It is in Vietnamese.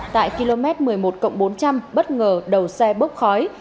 tại km một mươi một bốn trăm linh bất ngờ đầu xe bốc khói